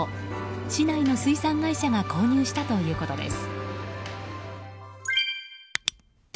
市内の水産会社が購入したということです。